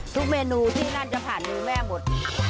เมนูที่นั่นจะผ่านมือแม่หมด